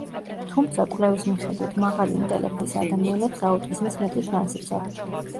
თუმცა, კვლევის მიხედვით, მაღალი ინტელექტის ადამიანებს აუტიზმის მეტი შანსიც აქვთ.